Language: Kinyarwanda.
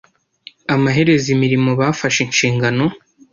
Amaherezo imirimo bafashe inshingano